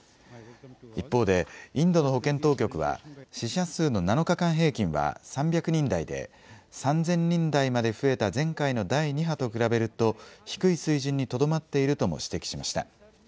一方でインドの保健当局は、死者数の７日間平均は３００人台で、３０００人台まで増えた前回の第２波と比べると、低い水準にとどまっているとも指摘しました。